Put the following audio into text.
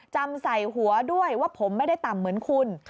จำใส่หัวด้วยว่าผมไม่ได้ต่ำเหมือนคุณ